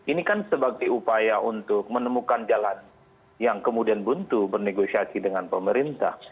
ini kan sebagai upaya untuk menemukan jalan yang kemudian buntu bernegosiasi dengan pemerintah